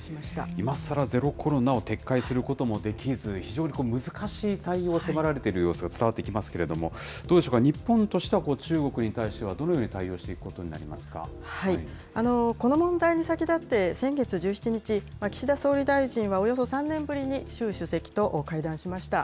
今さらゼロコロナを撤回することもできず、非常に難しい対応を迫られている様子が伝わってきますけれども、どうでしょうか、日本としては中国に対しては、どのように対応しこの問題に先立って、先月１７日、岸田総理大臣はおよそ３年ぶりに、習主席と会談しました。